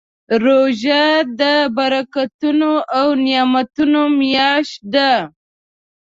روژه د برکتونو او نعمتونو میاشت ده.